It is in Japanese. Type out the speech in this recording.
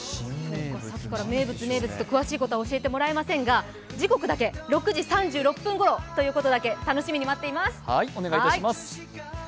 さっきから名物、名物と詳しいことは教えてもらえませんが時刻だけ６時３６分ごろということだけ、楽しみに待っています。